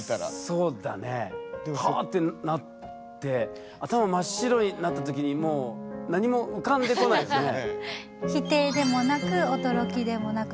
そうだねわってなって頭真っ白になったときにもう何も浮かんでこないですよね。